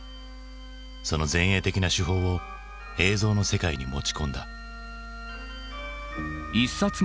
その前衛的な手法を映像の世界に持ち込んだ。